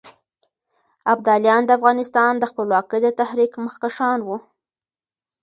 ابداليان د افغانستان د خپلواکۍ د تحريک مخکښان وو.